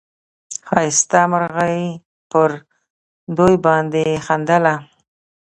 ښایسته مرغه پر دوی باندي خندله